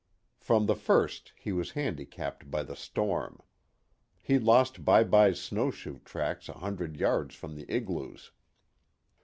From the first he was handicapped by the storm. He lost Bye Bye's snow shoe tracks a hundred yards from the igloos.